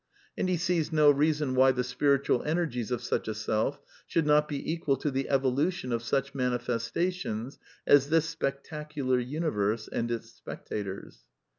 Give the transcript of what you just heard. And he sees no reason why the spiritual energies of such a Self should not be equal to the evolution of such manifestations as this spectacular universe and its spec tators.